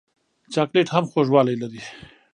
چاکلېټ هم خوږوالی لري.